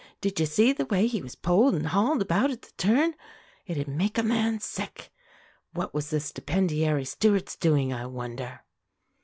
Did you see the way he was pulled and hauled about at the turn? It'd make a man sick. What was the stipendiary stewards doing, I wonder?"